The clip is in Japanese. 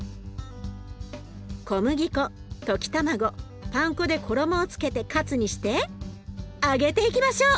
小麦粉溶き卵パン粉で衣をつけてカツにして揚げていきましょう！